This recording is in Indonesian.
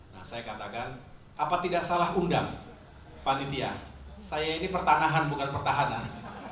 nah saya katakan apa tidak salah undang panitia saya ini pertanahan bukan pertahanan